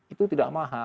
itu tidak mahal